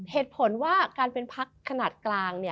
เหตุผลว่าการเป็นพักขนาดกลาง